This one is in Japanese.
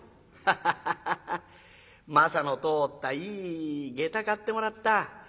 「ハハハハハ征の通ったいい下駄買ってもらった。